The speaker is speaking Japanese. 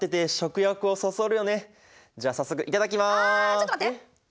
ちょっと待って！